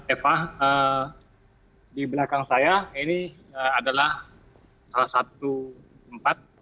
eva di belakang saya ini adalah salah satu tempat